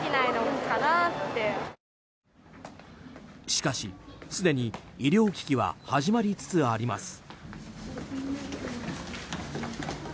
しかし、すでに医療危機は始まりつつあります。